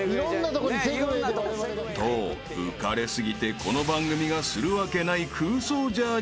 ［と浮かれ過ぎてこの番組がするわけない］